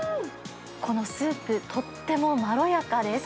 このスープ、とってもまろやかです。